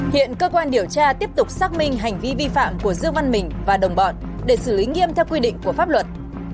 hiện cơ quan điều tra tiếp tục xác minh hành vi vi phạm của dương văn mình và đồng bọn để xử lý nghiêm theo quy định của pháp luật